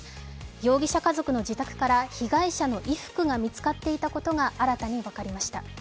容疑者家族の自宅から被害者の衣服が見つかっていたことが新たに分かりました。